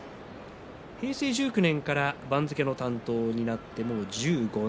平成１９年から番付の担当になってもう１５年。